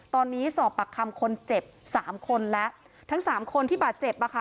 ตอนนี้สอบปากคำคนเจ็บสามคนแล้วทั้งสามคนที่บาดเจ็บอ่ะค่ะ